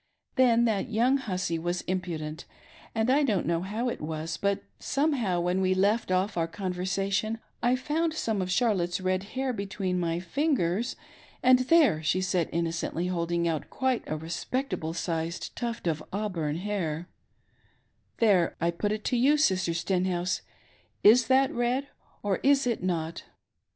Then that young hussy was impudent, and I don't know how it was, but, somehoviTi when we left off our conversation I found some of Charlotte's red hair between my fingers ; and there" — she said, innocently, holding out quite a respectable sized tuft of auburn hair, —" there ; I put it to you, Sister Stenhouse, is that red, or is it not.?"